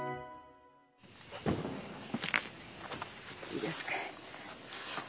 いいですか。